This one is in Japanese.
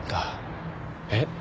えっ？